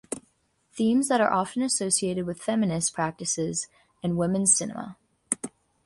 Themes that are often associated with feminist practices and Women's Cinema.